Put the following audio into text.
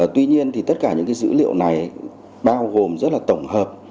tuy nhiên thì tất cả những cái dữ liệu này bao gồm rất là tổng hợp